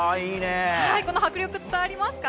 この迫力、伝わりますか？